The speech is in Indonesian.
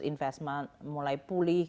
investment mulai pulih